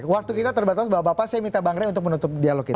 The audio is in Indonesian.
waktu kita terbatas bapak bapak saya minta bang ray untuk menutup dialog kita